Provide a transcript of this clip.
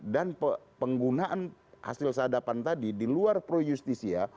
dan penggunaan hasil sadapan tadi di luar pro justisia